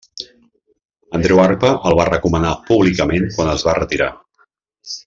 Andreu Arpa el va recomanar públicament quan es va retirar.